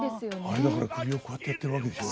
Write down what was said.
あれだから首をこうやってやってるわけでしょ。